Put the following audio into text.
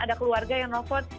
ada keluarga yang nelfon